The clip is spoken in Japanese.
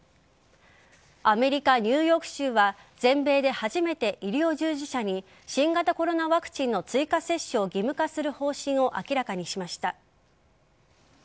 アメリカ・ニューヨーク州は全米で初めて医療従事者に新型コロナワクチンの追加接種を義務化する方針を明らかにしました。